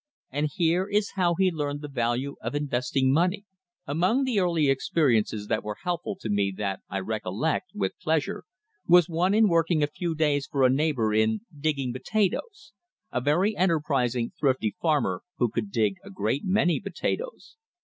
And here is how he learned the value of investing money: "Among the early experiences that were helpful to me that I recollect with pleasure was one in working a few days for a neighbour in digging potatoes — a very enterprising, thrifty farmer, who could dig a great many potatoes.